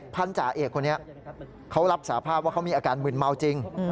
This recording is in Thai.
จ่าเอกคนนี้เขารับสาภาพว่าเขามีอาการมึนเมาจริง